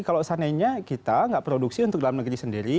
kalau seandainya kita nggak produksi untuk dalam negeri sendiri